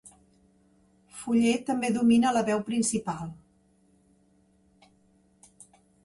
Fuller també domina la veu principal.